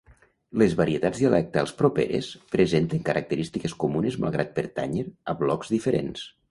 Les varietats dialectals properes presenten característiques comunes malgrat pertànyer a blocs diferents.